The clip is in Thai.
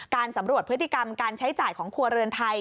สำรวจพฤติกรรมการใช้จ่ายของครัวเรือนไทย